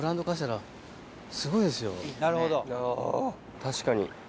確かに。